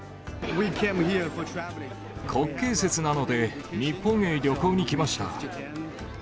国慶節なので日本へ旅行に来ました。